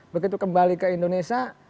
begitu kembali ke indonesia